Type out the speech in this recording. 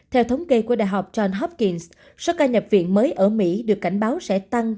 theo thống kê của đại học john hopkings số ca nhập viện mới ở mỹ được cảnh báo sẽ tăng